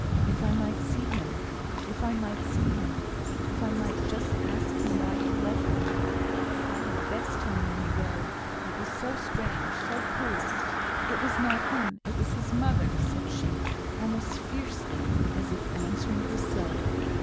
"If I might see him! If I might see him! If I might just ask him why he left me; if I had vexed him in any way; it was so strange so cruel! It was not him; it was his mother," said she, almost fiercely, as if answering herself.